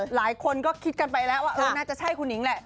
หลายคนก็คิดกันไปแล้วว่าเออน่าจะใช่คุณหิงแหละ